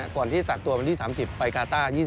ก่อนที่ตัดตัวเป็นที่๓๐ไปกาต้า